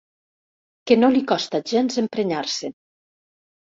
Que no li costa gens emprenyar-se.